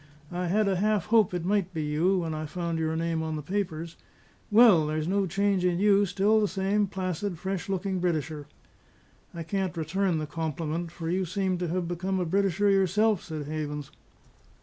"I had a half hope it might be you, when I found your name on the papers. Well, there's no change in you; still the same placid, fresh looking Britisher." "I can't return the compliment; for you seem to have become a Britisher yourself," said Havens.